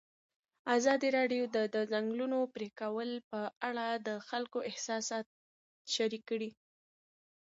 ازادي راډیو د د ځنګلونو پرېکول په اړه د خلکو احساسات شریک کړي.